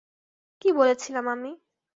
কী বলেছিলাম আমি?